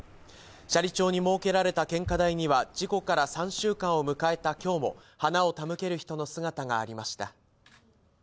斜里町に設けられた献花台には、事故から３週間を迎えたきょうも、花を手向ける人の姿がありました。